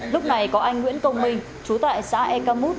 lúc này có anh nguyễn công minh chú tại xã eka mút